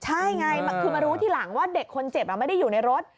ใช่ไงคือมารู้ทีหลังว่าเด็กคนเจ็บไม่ได้อยู่ในรถ